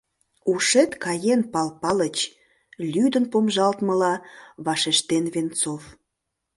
Ушет каен, Пал Палыч!» — лӱдын помыжалтмыла вашештен Венцов.